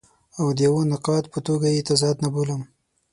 او د یوه نقاد په توګه یې تضاد نه بولم.